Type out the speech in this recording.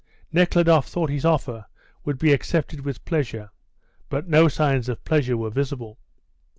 Nekhludoff thought his offer would be accepted with pleasure, but no signs of pleasure were visible.